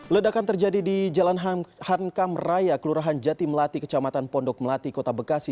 ledakan terjadi di jalan hankam raya kelurahan jati melati kecamatan pondok melati kota bekasi